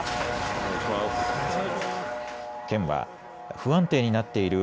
県は不安定になっている